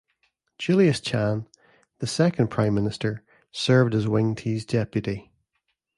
Julius Chan, the second Prime Minister, served as Wingti's deputy.